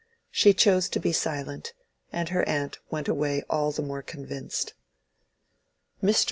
She chose to be silent, and her aunt went away all the more convinced. Mr.